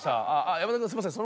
山田君すみません